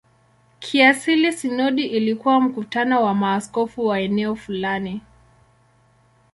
Kiasili sinodi ilikuwa mkutano wa maaskofu wa eneo fulani.